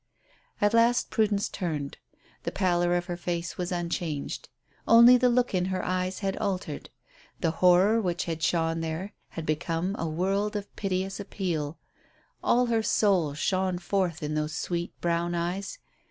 At last Prudence turned. The pallor of her face was unchanged. Only the look in her eyes had altered. The horror which had shone there had become a world of piteous appeal. All her soul shone forth in those sweet, brown eyes.